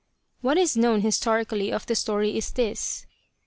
What is known historically of the story is this.